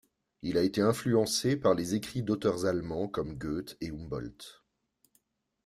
Il a été influencé par les écrits d'auteurs allemands comme Goethe et Humboldt.